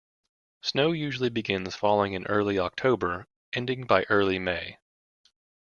Snow usually begins falling in early October, ending by early May.